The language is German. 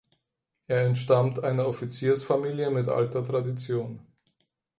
Er entstammt einer Offiziersfamilie mit alter Tradition.